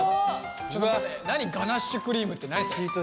ちょっと待って何ガナッシュクリームって何それ？